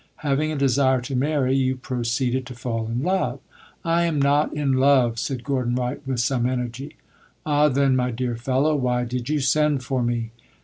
"Having a desire to marry, you proceeded to fall in love." "I am not in love!" said Gordon Wright, with some energy. "Ah, then, my dear fellow, why did you send for me?"